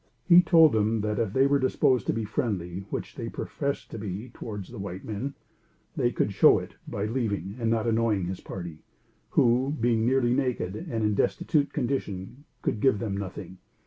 He told them that if they were disposed to be friendly, which they professed to be, towards the white men, they could show it by leaving and not annoying his party, who, being nearly naked and in a destitute condition, could give them nothing.